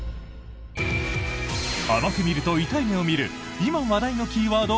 甘く見ると痛い目を見る今話題のキーワード